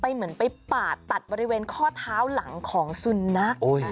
เหมือนไปปาดตัดบริเวณข้อเท้าหลังของสุนัข